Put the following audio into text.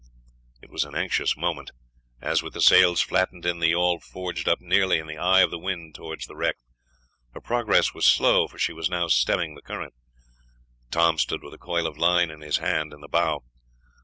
It was an anxious moment, as, with the sails flattened in, the yawl forged up nearly in the eye of the wind towards the wreck. Her progress was slow, for she was now stemming the current. Tom stood with a coil of line in his hand in the bow.